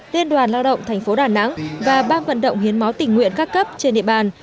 liên đoàn lao động thành phố đà nẵng và ban vận động hiến máu tỉnh nguyện các cấp trên địa bàn